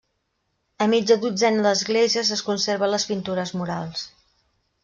A mitja dotzena d'esglésies es conserven les pintures murals.